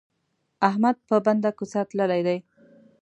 احمد په بنده کوڅه تللی دی.